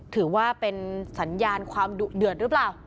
ถือว่าเป็นสัญญาณความดุเดือดหรือเปล่า